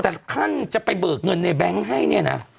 แต่ขั้นจะไปเบิกเงินในแบงค์ให้เนี่ยนะ